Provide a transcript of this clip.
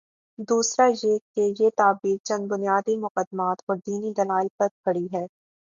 دوسرا یہ کہ یہ تعبیر چند بنیادی مقدمات اوردینی دلائل پر کھڑی ہے۔